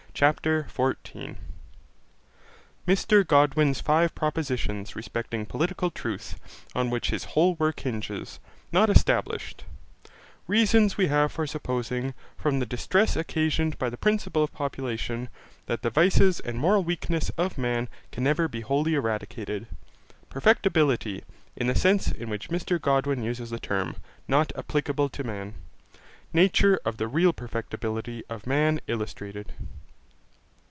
CHAPTER 14 Mr Godwin's five propositions respecting political truth, on which his whole work hinges, not established Reasons we have for supposing, from the distress occasioned by the principle of population, that the vices and moral weakness of man can never be wholly eradicated Perfectibility, in the sense in which Mr Godwin uses the term, not applicable to man Nature of the real perfectibility of man illustrated.